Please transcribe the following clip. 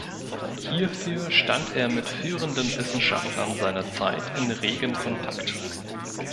Hierfür stand er mit führenden Wissenschaftlern seiner Zeit in regem Kontakt.